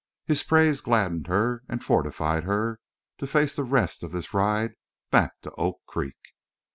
His praise gladdened her, and fortified her to face the rest of this ride back to Oak Creek.